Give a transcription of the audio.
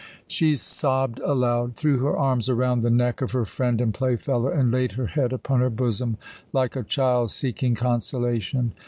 She sobbed aloud, threw her arms around the neck of her friend and playfellow, and laid her head upon her bosom like a child seeking consolation.